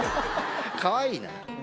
かわいいな。